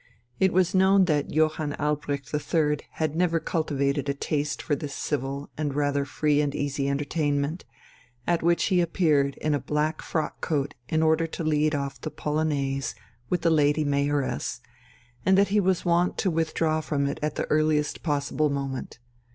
It was known that Johann Albrecht III had never cultivated a taste for this civil and rather free and easy entertainment, at which he appeared in a black frock coat in order to lead off the polonaise with the Lady Mayoress, and that he was wont to withdraw from it at the earliest possible moment.